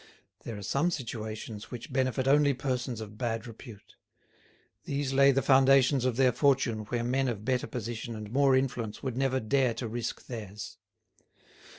There are some situations which benefit only persons of bad repute. These lay the foundations of their fortune where men of better position and more influence would never dare to risk theirs.